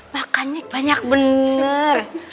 makannya banyak bener